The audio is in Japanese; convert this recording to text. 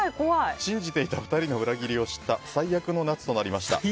信じていた２人の裏切りを知った最悪の夏となりました。